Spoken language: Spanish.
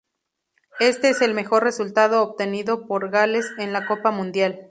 Este es el mejor resultado obtenido por Gales en la Copa Mundial.